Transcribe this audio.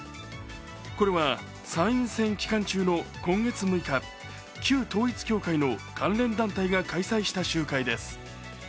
これは参院選期間中の今月６日旧統一教会の関連団体が開催した集会です。